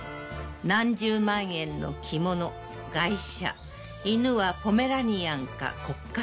何十万円の着物、外車、犬はポメラニアンかコッカ